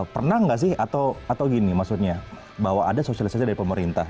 pernah nggak sih atau gini maksudnya bahwa ada sosialisasi dari pemerintah